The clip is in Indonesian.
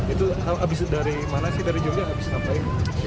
itu habis dari mana sih dari jogja habis ngapain